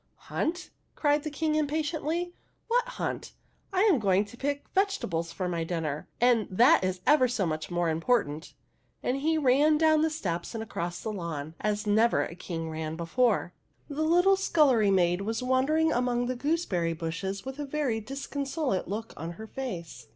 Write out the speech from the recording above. "Hunt?" cried the King, impatiently. THE HUNDREDTH PRINCESS 6i "What hunt? I am going to pick the vege tables for my dinner, and that is ever so much more important !'' And he ran down the steps and across the lawn, as never a King ran before. The little scullery maid was wandering among the gooseberry bushes with a very disconsolate look on her face.